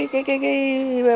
cái cái cái